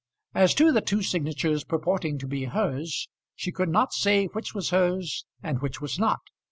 As to the two signatures purporting to be hers, she could not say which was hers and which was not.